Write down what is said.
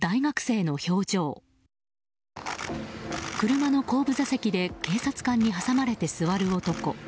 車の後部座席で警察官に挟まれて座る男。